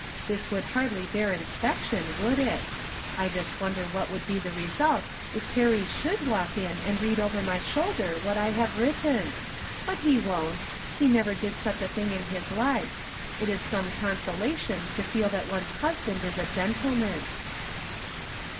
This would hardly bear inspection, would it ? I just wonder what would be the result if Perry should walk in and read over my shoulder what I have written ! But he won't. He never did such a thing in liis life. It is some consolation to feel that one's husband is a gentleman.